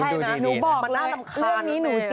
โน้ตอบคเงาที่